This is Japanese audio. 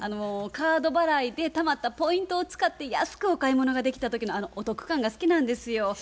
カード払いでたまったポイントを使って安くお買い物ができた時のあのお得感が好きなんですよ。